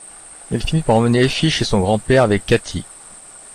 Il finit par emmener Effy chez son grand-père, avec Katie.